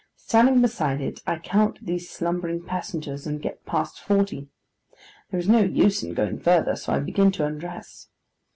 Standing beside it, I count these slumbering passengers, and get past forty. There is no use in going further, so I begin to undress.